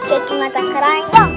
akhirnya kita keranjang